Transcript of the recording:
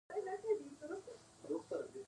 د کوکچې سیند ډیر رڼا دی